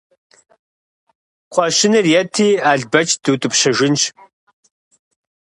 Кхъуэщыныр ети, Албэч дутӀыпщыжынщ.